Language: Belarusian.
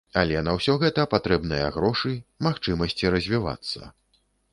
Але на ўсё гэта патрэбныя грошы, магчымасці развівацца.